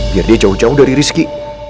biar dia jauh jauh dari rizki